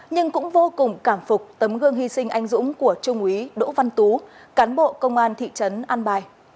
nhưng cũng vô cùng cảm phục tấm gương hy sinh anh dũng của trung úy đỗ văn tú cán bộ công an thị trấn an bài